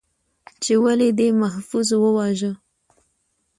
، چې ولې دې محفوظ وواژه؟